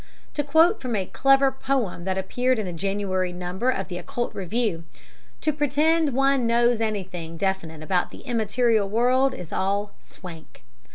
To quote from a clever poem that appeared in the January number of the Occult Review, to pretend one knows anything definite about the immaterial world is all "swank".